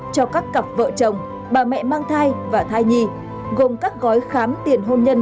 cho các cặp vợ chồng bà mẹ mang thai và thai nhi gồm các gói khám tiền hôn nhân